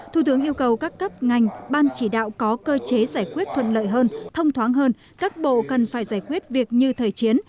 thủ tướng yêu cầu các cấp ngành ban chỉ đạo có cơ chế giải quyết thuận lợi hơn thông thoáng hơn các bộ cần phải giải quyết việc như thời chiến